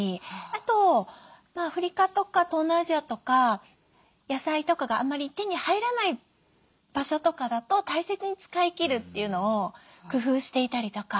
あとアフリカとか東南アジアとか野菜とかがあんまり手に入らない場所とかだと大切に使い切るっていうのを工夫していたりとか。